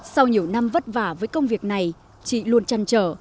sau nhiều năm vất vả với công việc này chị luôn chăm chở